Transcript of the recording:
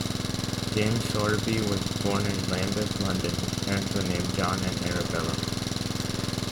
James Sowerby was born in Lambeth, London, his parents were named John and Arabella.